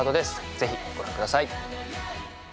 ぜひご覧ください